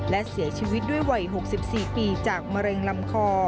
และเสียชีวิตด้วยวัย๖๔ปีจากมะเร็งลำคอ